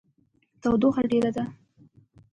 تودوخه ډیره ده